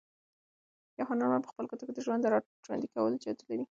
یو هنرمند په خپلو ګوتو کې د ژوند د راژوندي کولو جادو لري.